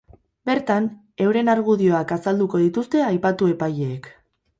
Bertan, euren argudioak azalduko dituzte aipatu epaileek.